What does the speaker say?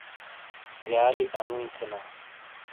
بیالی انگویی تھینا،